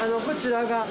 こちらが。